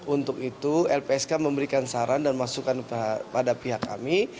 untuk itu lpsk memberikan saran dan masukan pada pihak kami